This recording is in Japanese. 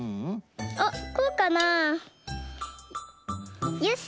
あっこうかな？よし！